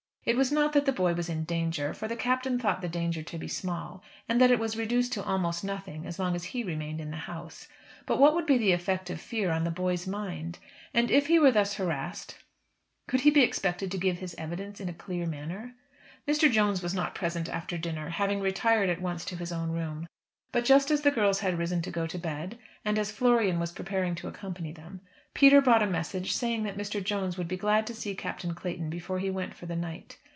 It was not that the boy was in danger; for the Captain thought the danger to be small, and that it was reduced almost to nothing as long as he remained in the house, but what would be the effect of fear on the boy's mind? And if he were thus harassed could he be expected to give his evidence in a clear manner? Mr. Jones was not present after dinner, having retired at once to his own room. But just as the girls had risen to go to bed, and as Florian was preparing to accompany them, Peter brought a message saying that Mr. Jones would be glad to see Captain Clayton before he went for the night.